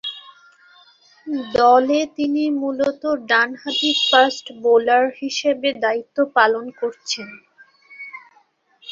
দলে তিনি মূলতঃ ডানহাতি ফাস্ট-বোলার হিসেবে দায়িত্ব পালন করছেন।